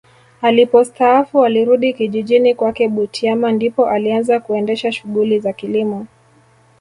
Alipostaafu alirudi kijijini kwake Butiama ndipo alianza kuendesha shughuli za kilimo